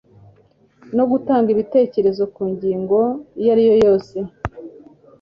no gutanga ibitekerezo ku ngingo iyo ariyo yose